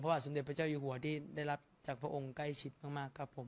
เพราะผวัติสมเด็จพระเจ้าอีฮัวที่ได้รับจากพระองค์ใกล้ชิดมากครับผม